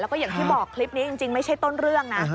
แล้วก็อย่างที่บอกคลิปนี้จริงไม่ใช่ต้นเรื่องนะ